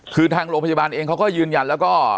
คือทางโรงพยาบาลเองเขาก็ยืนยันแล้วก็